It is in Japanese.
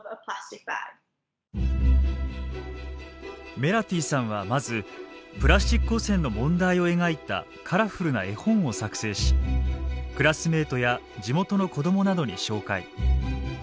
メラティさんはまずプラスチック汚染の問題を描いたカラフルな絵本を作成しクラスメートや地元の子供などに紹介。